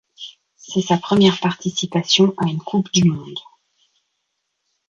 C'est sa première participation à une Coupe du monde.